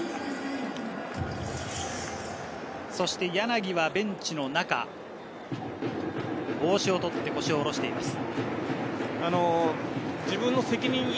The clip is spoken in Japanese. そして柳はベンチの中、帽子を取って腰を下ろしています。